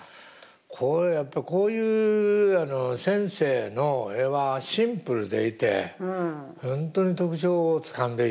これやっぱこういう先生の絵はシンプルでいて本当に特徴をつかんでいて。